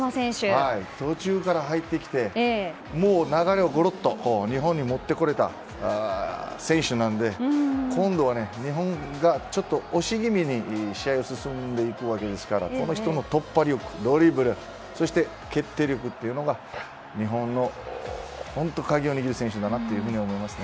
途中から入ってきてもう流れをゴロッと日本に持ってこれた選手なので今度は日本が押し気味に試合を進んでいくわけですからこの人の突破力、ドリブルそして、決定力が日本の鍵を握る選手だと思います。